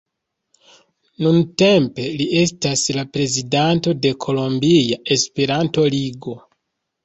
Nuntempe li estas la prezidanto de Kolombia Esperanto-Ligo.